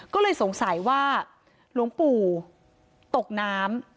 ก็เลยสงสัยว่าหลวงปู่ตกน้ำ